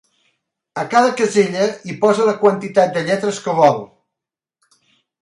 A cada casella hi posa la quantitat de lletres que vol.